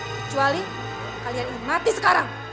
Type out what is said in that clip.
kecuali kalian ingin mati sekarang